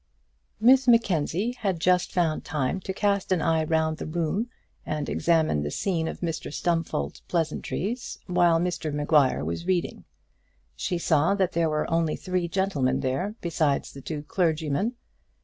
Miss Mackenzie had just found time to cast an eye round the room and examine the scene of Mr Stumfold's pleasantries while Mr Maguire was reading. She saw that there were only three gentlemen there besides the two clergymen.